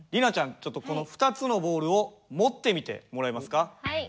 ちょっとこの２つのボールを持ってみてもらえますか？はい。